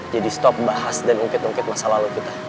jadi stop bahas dan ungkit ungkit masa lalu kita